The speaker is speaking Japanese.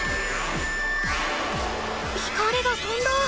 光がとんだ！